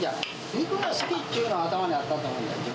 肉が好きというのは頭にあったと思うんだよね。